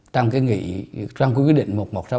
trong cái nghị trong quyết định một nghìn một trăm sáu mươi bảy